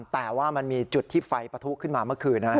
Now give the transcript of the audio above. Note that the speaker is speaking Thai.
แต่ว่ามันมีจุดที่ไฟปะทุขึ้นมาเมื่อคืนนะครับ